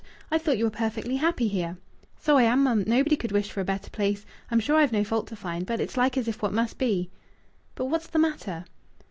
I thought you were perfectly happy here." "So I am, mum. Nobody could wish for a better place. I'm sure I've no fault to find. But it's like as if what must be." "But what's the matter?"